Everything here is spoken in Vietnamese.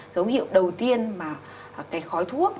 dấu hiệu đầu tiên mà cái khói thuốc